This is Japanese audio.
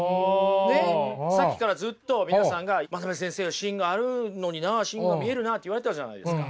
ねっさっきからずっと皆さんが真鍋先生は芯があるのにな芯が見えるなって言われてたじゃないですか。